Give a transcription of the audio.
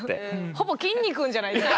ほぼきんに君じゃないですか。